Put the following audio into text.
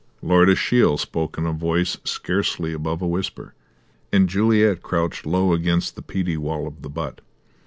Lord Ashiel spoke in a voice scarcely above a whisper, and Juliet crouched low against the peaty wall of the butt.